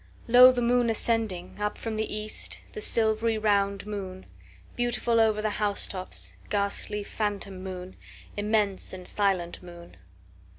2Lo! the moon ascending! Up from the east, the silvery round moon; Beautiful over the house tops, ghastly phantom moon; Immense and silent moon.